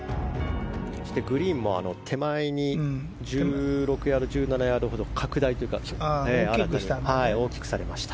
グリーンも手前に１６ヤード、１７ヤードほど拡大というか大きくされました。